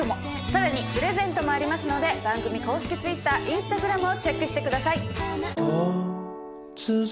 さらにプレゼントもありますので番組公式ＴｗｉｔｔｅｒＩｎｓｔａｇｒａｍをチェックしてください。